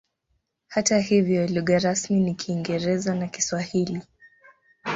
Hata hivyo lugha rasmi ni Kiingereza na Kiswahili.